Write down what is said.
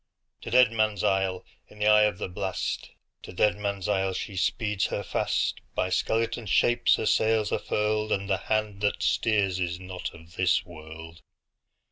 To Deadman's Isle, in the eye of the blast, To Deadman's Isle, she speeds her fast; By skeleton shapes her sails are furled, And the hand that steers is not of this world!